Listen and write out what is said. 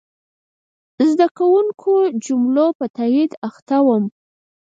زه د زرګونو جملو په تایید اخته وم.